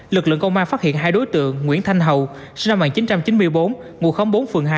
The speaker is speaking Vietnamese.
lực lượng công an phát hiện hai đối tượng nguyễn thanh hậu sinh năm một nghìn chín trăm chín mươi bốn ngụ khóm bốn phường hai